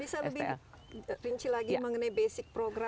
bisa lebih rinci lagi mengenai basic program